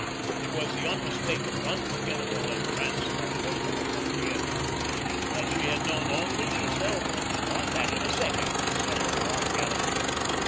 It was the unmistakable, unforgettable, entrancing aroma of the theatre, that she had known only too seldom, but that in a second set her heart galloping.